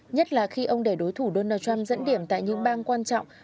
nhất là khi ông để đối thủ donald trump dẫn điểm tại những bang quan trọng